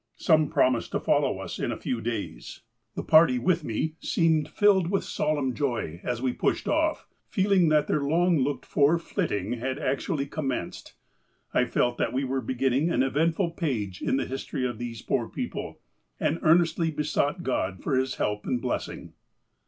Some promised to follow us in a few days. The party 154 THE APOSTLE OF ALASKA with me seemed filled with solemn joy, as we pushed off, feel ing that their long looked for flitting had actually commenced. I felt that we were beginning an eventful page in the history of these poor people, and earnestly besought God for His help and blessing."